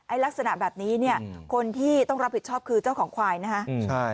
ลักษณะแบบนี้เนี่ยคนที่ต้องรับผิดชอบคือเจ้าของควายนะฮะ